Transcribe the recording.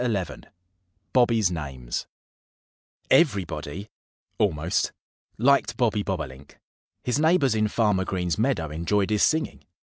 XI BOBBY'S NAMES EVERYBODY almost liked Bobby Bobolink. His neighbors in Farmer Green's meadow enjoyed his singing.